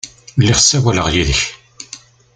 Lliɣ ssawaleɣ yid-k.